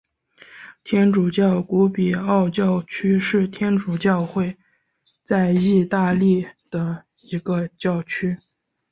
天主教古比奥教区是天主教会在义大利的一个教区。